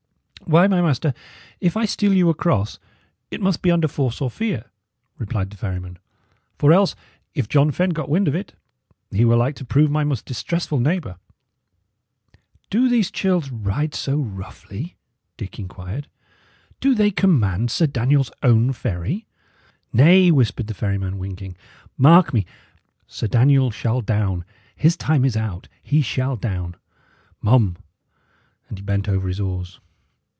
"Why, my master, if I steal you across, it must be under force or fear," replied the ferryman; "for else, if John Fenne got wind of it, he were like to prove my most distressful neighbour." "Do these churls ride so roughly?" Dick inquired. "Do they command Sir Daniel's own ferry?" "Nay," whispered the ferryman, winking. "Mark me! Sir Daniel shall down. His time is out. He shall down. Mum!" And he bent over his oars.